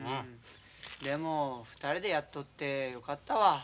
でも２人でやっとってよかったわ。